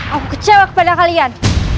aku kecewa kepada kalian